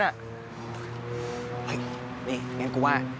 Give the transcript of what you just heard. เฮ้ยนี่งั้นกูว่า